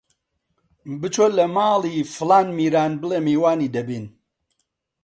بچۆ لە ماڵی فڵان میران بڵێ میوانی دەبین!